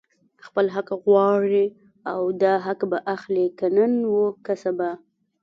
خپل حق غواړي او دا حق به اخلي، که نن وو که سبا